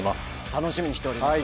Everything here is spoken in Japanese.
楽しみにしております